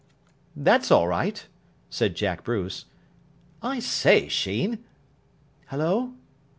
"That's all right," said Jack Bruce. "I say, Sheen!" "Hullo?"